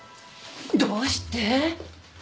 どうして？